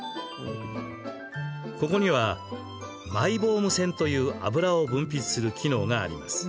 ここにはマイボーム腺という油を分泌する機能があります。